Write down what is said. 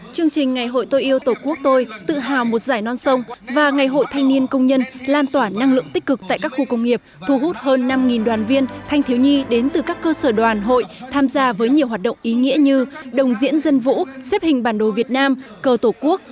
chương trình ngày hội tôi yêu tổ quốc tôi tự hào một giải non sông và ngày hội thanh niên công nhân lan tỏa năng lượng tích cực tại các khu công nghiệp thu hút hơn năm đoàn viên thanh thiếu nhi đến từ các cơ sở đoàn hội tham gia với nhiều hoạt động ý nghĩa như đồng diễn dân vũ xếp hình bản đồ việt nam cờ tổ quốc